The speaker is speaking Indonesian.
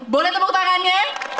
boleh tepuk tangannya